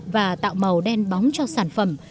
và tạo màu đen bóng cho sản phẩm